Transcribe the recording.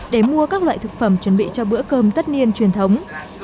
để mua các loại thực phẩm chuẩn bị cho bữa cơm tất niên truyền thống